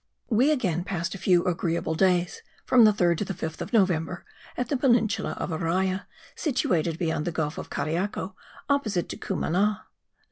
We again passed a few agreeable days, from the third to the fifth of November, at the peninsula of Araya, situated beyond the gulf of Cariaco, opposite to Cumana.